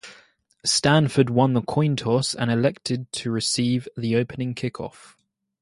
Stanford won the coin toss and elected to receive the opening kickoff.